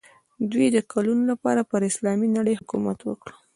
دوی د کلونو لپاره پر اسلامي نړۍ حکومت وکړ.